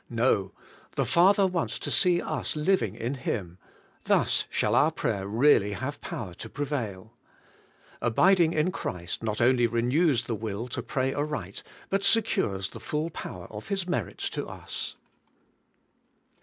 No; the Father wants to see us living in Him : thus shall our prayer really have power to prevail. Abiding in 11 162 ABIDE IN CHRIST: Christ not only renews the will to pray aright, but secures the full power of His merits to us.